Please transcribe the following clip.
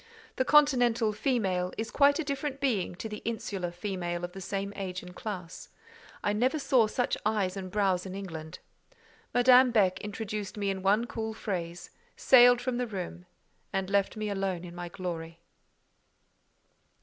The continental "female" is quite a different being to the insular "female" of the same age and class: I never saw such eyes and brows in England. Madame Beck introduced me in one cool phrase, sailed from the room, and left me alone in my glory.